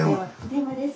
電話です。